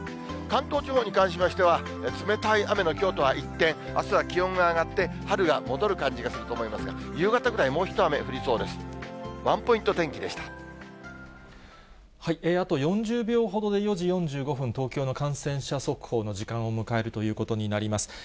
関東地方に関しましては、冷たい雨のきょうとは一転、あすは気温が上がって、春が戻る感じがすると思いますが、夕方ぐらい、もう一雨降りそうであと４０秒ほどで、４時４５分、東京の感染者速報の時間を迎えるということになります。